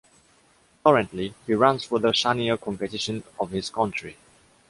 Currently, he runs for the Shania Competición of his country.